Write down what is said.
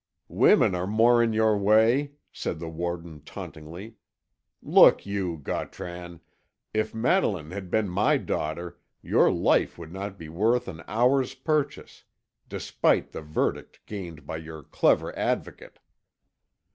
"Women are more in your way," said the warder tauntingly. "Look you, Gautran; if Madeline had been my daughter, your life would not be worth an hour's purchase, despite the verdict gained by your clever Advocate."